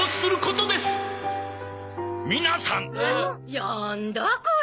やんだこれ！？